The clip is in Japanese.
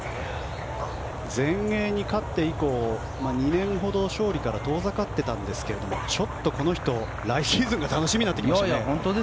全英に勝って以降２年ほど勝利から遠ざかっていたんですがこの人、来シーズンが楽しみになってきましたね。